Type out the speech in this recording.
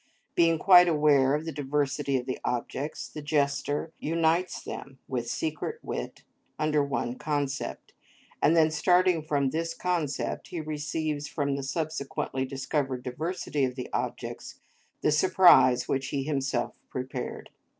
Being quite aware of the diversity of the objects, the jester unites them, with secret wit, under one concept, and then starting from this concept he receives from the subsequently discovered diversity of the objects the surprise which he himself prepared.